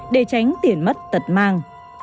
để tránh tiền mất tật mang